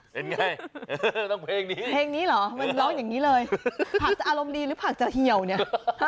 เป็นไงต้องเพลงนี้เพลงนี้เหรอมันร้องอย่างนี้เลยผักจะอารมณ์ดีหรือผักจะเหี่ยวเนี่ย